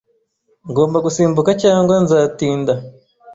Ngomba gusimbuka cyangwa nzatinda.